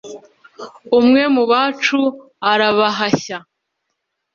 umwe mu bacu arabahashya